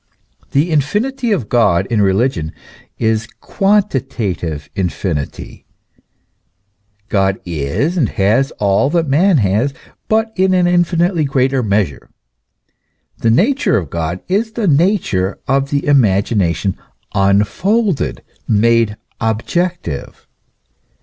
The infinity of God in religion is quantitative infinity; God is and has all that man has, but in an infinitely greater measure. The nature of God is the nature of the imagination unfolded, made objective.